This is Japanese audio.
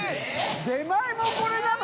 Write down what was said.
出前もこれなの？